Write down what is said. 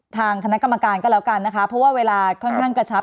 ทางคณะกรรมการก็แล้วกันนะคะเพราะว่าเวลาค่อนข้างกระชับ